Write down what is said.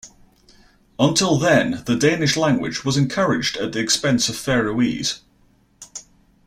Until then the Danish language was encouraged at the expense of Faroese.